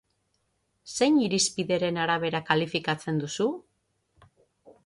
Zein irizpideren arabera kalifikatzen duzu?